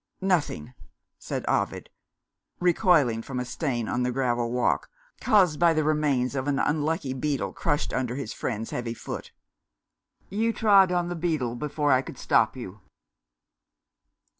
"Nothing," said Ovid, recoiling from a stain on the gravel walk, caused by the remains of an unlucky beetle, crushed under his friend's heavy foot. "You trod on the beetle before I could stop you."